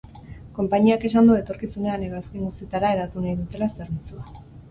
Konpainiak esan du etorkizunean hegazkin guztietara hedatu nahi dutela zerbitzua.